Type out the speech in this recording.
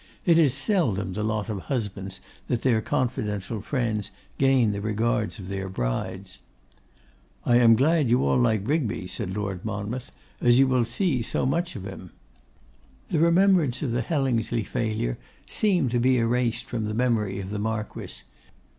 It is seldom the lot of husbands that their confidential friends gain the regards of their brides. 'I am glad you all like Rigby,' said Lord Monmouth, 'as you will see so much of him.' The remembrance of the Hellingsley failure seemed to be erased from the memory of the Marquess.